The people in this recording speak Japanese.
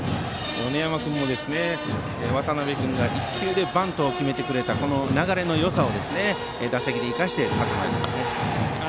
米山君も、渡邉君が１球でバントを決めてくれたこの流れのよさを、打席で生かして立ってもらいたいです。